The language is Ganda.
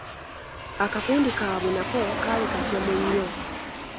Akakundi kaabwe nako kaali katemu nnyo.